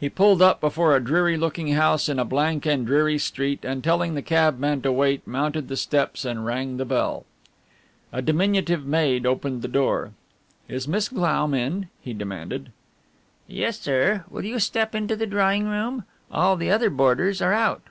He pulled up before a dreary looking house in a blank and dreary street, and telling the cabman to wait, mounted the steps and rang the bell. A diminutive maid opened the door. "Is Miss Glaum in?" he demanded. "Yes, sir. Will you step into the drawing room. All the other boarders are out.